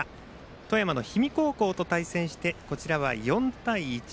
富山の氷見高校と対戦してこちらは４対１。